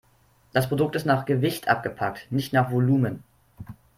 Das Produkt ist nach Gewicht abgepackt, nicht nach Volumen.